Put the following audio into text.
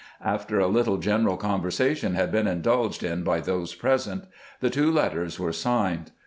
After a little general conversation had been indulged in by those present, the two letters were signed.